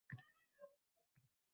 “Qaysi joyi senga eng qiziq tuyuldi?”.